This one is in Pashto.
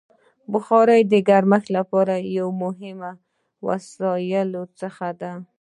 بخاري د ګرمښت لپاره یو له مهمو وسایلو څخه ده.